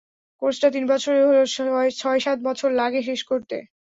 কোর্সটা তিন বছরের হলেও, ছয় সাত বছর লাগে শেষ করতে।